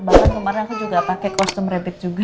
bahkan kemarin aku juga pakai kostum rapid juga